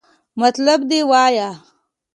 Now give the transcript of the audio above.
مطلب دې وایا!